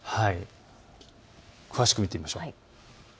詳しく見てみましょう。